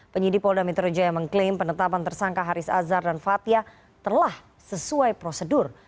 penyidik polda metro jaya mengklaim penetapan tersangka haris azhar dan fathia telah sesuai prosedur